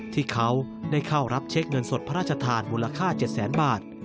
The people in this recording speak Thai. ที่เขาได้เข้ารับเช็คเงินสดพระราชทานมูลค่า๗แสนบาท